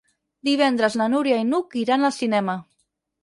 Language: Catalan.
Divendres na Núria i n'Hug iran al cinema.